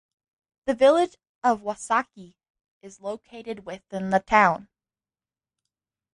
The Village of Wausaukee is located within the town.